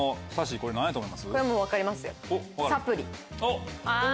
これはもう分かりますよ。